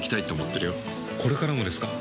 これからもですか？